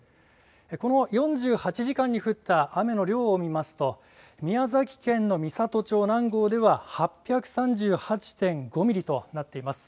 この４８時間に降った雨の量を見ますと宮崎県の美郷町南郷では８３８．５ミリとなっています。